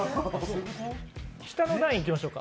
下の段いきましょうか。